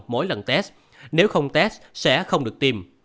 mỗi lần test nếu không test sẽ không được tìm